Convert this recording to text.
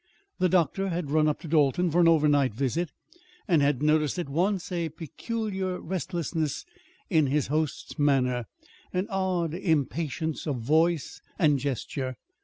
The doctor had run up to Dalton for an overnight visit, and had noticed at once a peculiar restlessness in his host's manner, an odd impatience of voice and gesture.